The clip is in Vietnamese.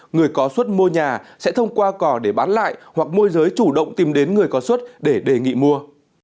người có suất mua nhà sẽ thông qua cỏ để bán lại hoặc môi giới chủ động tìm đến người có xuất để đề nghị mua